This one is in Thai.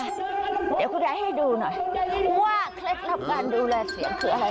เดี๋ยวคุณยายให้ดูหน่อยว่าเคล็ดลับการดูแลเสียงคืออะไร